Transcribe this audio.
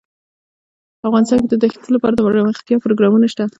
افغانستان کې د دښتې لپاره دپرمختیا پروګرامونه شته.